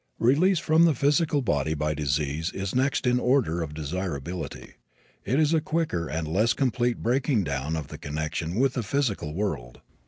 Release from the physical body by disease is next in order of desirability. It is a quicker and less complete breaking down of the connection with the physical world.